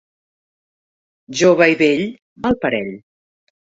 Jove i vell, mal parell.